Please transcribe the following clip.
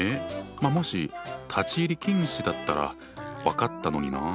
まあもし「立ち入り禁止」だったら分かったのにな。